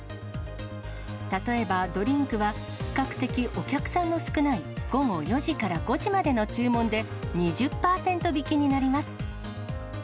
例えばドリンクは、比較的お客さんの少ない午後４時から５時までの注文で、２０％引きになります。